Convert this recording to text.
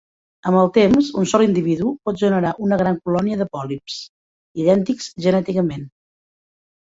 Amb el temps, un sol individu pot generar una gran colònia de pòlips idèntics genèticament.